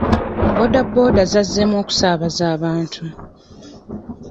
Booda booda zazzeemu okusaabaza abantu.